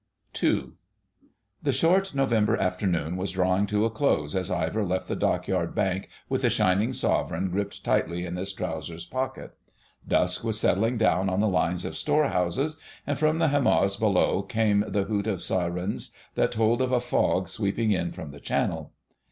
*II.* The short November afternoon was drawing to a close as Ivor left the Dockyard Bank with a shining sovereign gripped tightly in his trousers pocket. Dusk was settling down on the lines of store houses, and from the Hamoaze below came the hoot of syrens that told of a fog sweeping in from the Channel.